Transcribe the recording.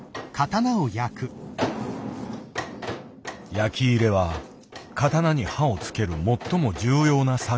焼き入れは刀に刃をつける最も重要な作業。